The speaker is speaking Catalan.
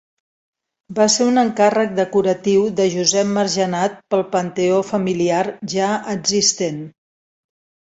Va ser un encàrrec decoratiu de Josep Margenat pel panteó familiar ja existent.